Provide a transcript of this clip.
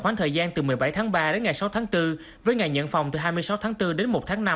khoảng thời gian từ một mươi bảy tháng ba đến ngày sáu tháng bốn với ngày nhận phòng từ hai mươi sáu tháng bốn đến một tháng năm